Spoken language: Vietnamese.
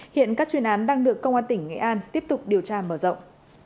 hiện các chuyên án đang được công an tỉnh nghệ an tiếp tục điều tra mở rộng